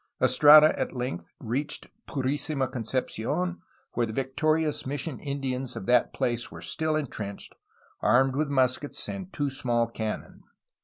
Estrada at length reached Purisima Concepci6n, where the victorious mission Indians of that place were still entrenched, armed with muskets and two small cannon.